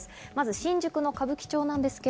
新宿の歌舞伎町です。